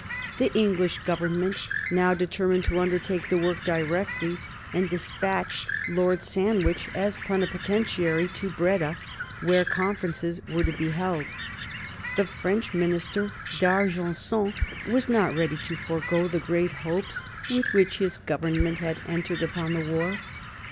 The English Government now determined to undertake the work directly, and despatched Lord Sandwich as plenipotentiary to Breda, where conferences were to be held. The French minister, D'Argenson, was not ready to forego the great hopes with which his Government had entered upon the war.